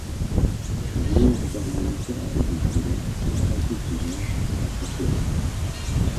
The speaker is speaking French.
Joueur d'harmonica et de violon il chantait souvent a cappella.